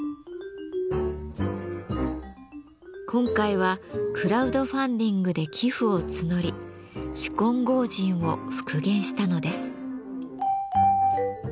今回はクラウドファンディングで寄付を募り執金剛神を復元したのです。